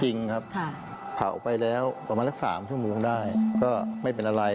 จริงครับเผาไปแล้วประมาณสัก๓ชั่วโมงได้ก็ไม่เป็นอะไร